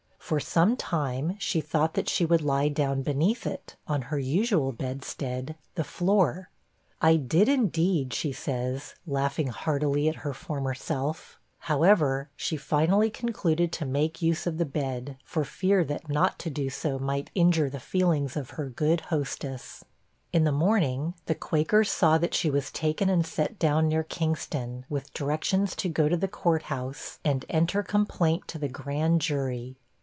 For some time she thought that she would lie down beneath it, on her usual bedstead, the floor. 'I did, indeed,' says she, laughing heartily at her former self. However, she finally concluded to make use of the bed, for fear that not to do so might injure the feelings of her good hostess. In the morning, the Quaker saw that she was taken and set down near Kingston, with directions to go to the Court House, and enter complaint to the Grand Jury.